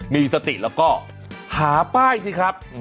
มีสติแล้วก็หาป้ายสิครับ